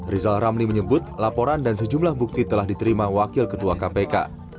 rizal ramli menyebut laporan dan sejumlah bukti telah diterima wakil ketua kpk